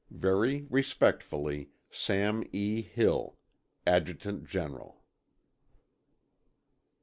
Very respectfully, SAM E. HILL, Adjutant General.